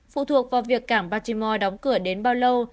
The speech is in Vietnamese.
phụ thuộc vào việc cảng batimoi đóng cửa đến bao lâu